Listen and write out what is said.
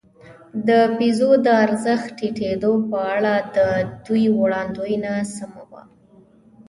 د پیزو د ارزښت ټیټېدو په اړه د دوی وړاندوېنه سمه وه.